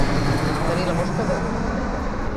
Tenir la mosca darrere l'orella.